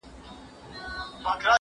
يادونه د ښوونکي له خوا کېږي!!